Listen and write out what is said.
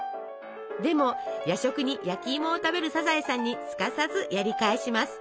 でも夜食に焼きいもを食べるサザエさんにすかさずやり返します。